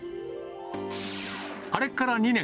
あれから２年。